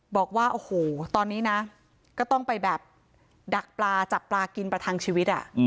บอกว่าโอ้โหตอนนี้นะก็ต้องไปแบบดักปลาจับปลากินประทังชีวิต